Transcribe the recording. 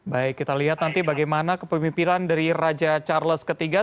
baik kita lihat nanti bagaimana kepemimpinan dari raja charles iii